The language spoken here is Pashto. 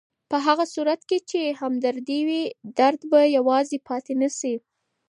په هغه صورت کې چې همدردي وي، درد به یوازې پاتې نه شي.